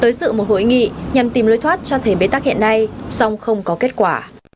tới sự một hội nghị nhằm tìm lối thoát cho thể bế tắc hiện nay song không có kết quả